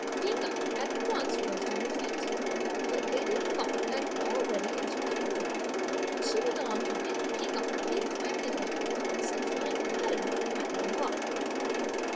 P'ing Erh at once rose to her feet; but lady Feng had already entered the room; and she went on to bid P'ing Erh be quick and open a box and find a pattern for madame Wang.